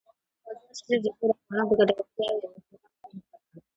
مزارشریف د ټولو افغانانو د ګټورتیا یوه خورا مهمه برخه ده.